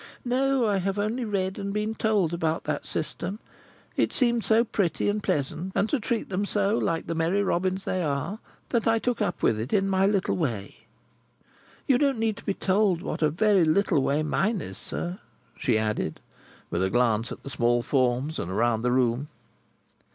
No, I have only read and been told about that system. It seemed so pretty and pleasant, and to treat them so like the merry Robins they are, that I took up with it in my little way. You don't need to be told what a very little way mine is, sir," she added, with a glance at the small forms and round the room.